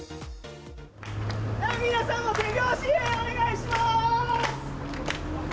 では、皆さんも手拍子お願しまーす！